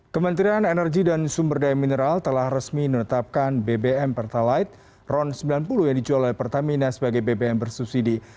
kementerian energi dan sumber daya mineral telah resmi menetapkan bbm pertalite ron sembilan puluh yang dijual oleh pertamina sebagai bbm bersubsidi